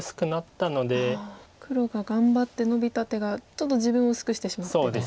黒が頑張ってノビた手がちょっと自分を薄くしてしまってと。